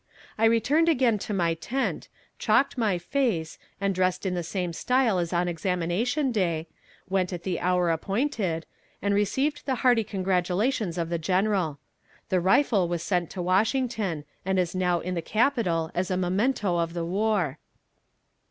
I returned again to my tent, chalked my face, and dressed in the same style as on examination day, went at the hour appointed, and received the hearty congratulations of the General. The rifle was sent to Washington, and is now in the capitol as a memento of the war.